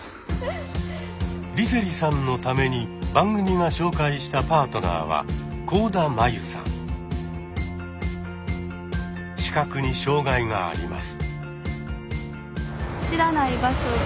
梨星さんのために番組が紹介したパートナーは視覚に障害があります。